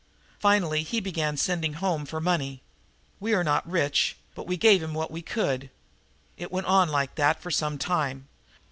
Finally he began sending home for money. We are not rich, but we gave him what we could. It went on like that for some time.